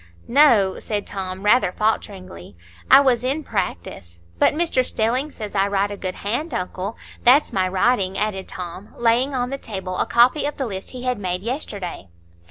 "No," said Tom, rather falteringly. "I was in Practice. But Mr Stelling says I write a good hand, uncle. That's my writing," added Tom, laying on the table a copy of the list he had made yesterday.